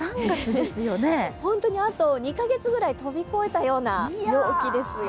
本当にあと２か月ぐらい飛び越えたような陽気ですよ。